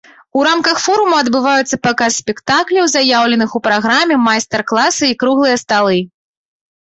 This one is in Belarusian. У рамках форума адбываюцца паказ спектакляў, заяўленых у праграме, майстар-класы і круглыя сталы.